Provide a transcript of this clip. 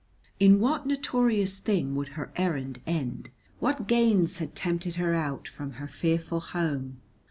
In what notorious thing would her errand end? What gains had tempted her out from her fearful home?